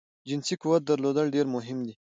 جنسی قوت درلودل ډیر مهم دی